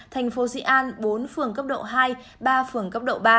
thành phố dị an bốn phường cấp độ hai ba phường cấp độ ba